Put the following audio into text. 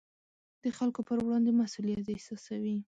د خلکو پر وړاندې مسوولیت احساسوي.